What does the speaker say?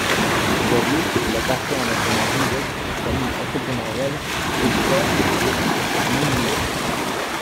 Aujourd'hui il appartient à la famille Žižek, une famille entrepreneuriale du comitat de Međimurje.